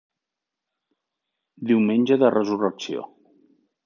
Diumenge de Resurrecció.